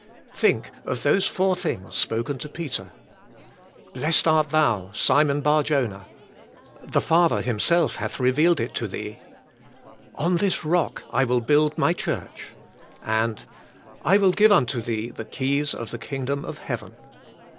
Think of those four thing's spoken to Peter. "Blessed art thou, Simon Barjona," "The Father Himself hath revealed it to thee," "On this rock I will build My church," and "I will g ive unto thee the ke3^s of the kingdom of heaven.